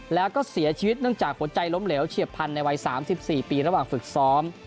แล้วก็เสียชีวิตเนื่องจากหัวใจล้มเหลวเฉียบพันธุในวัย๓๔ปีระหว่างฝึกซ้อม